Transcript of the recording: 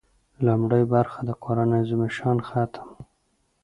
لومړۍ برخه د قران عظیم الشان ختم و.